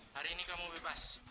hari ini kamu bebas